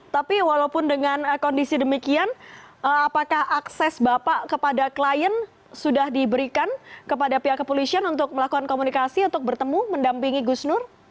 tapi walaupun dengan kondisi demikian apakah akses bapak kepada klien sudah diberikan kepada pihak kepolisian untuk melakukan komunikasi untuk bertemu mendampingi gus nur